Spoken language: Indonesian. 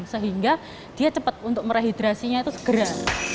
sehingga dia cepat untuk merehidrasinya itu segera